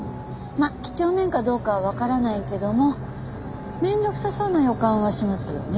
まあ几帳面かどうかはわからないけども面倒くさそうな予感はしますよね。